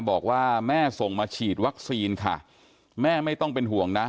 บอกว่าแม่ส่งมาฉีดวัคซีนค่ะแม่ไม่ต้องเป็นห่วงนะ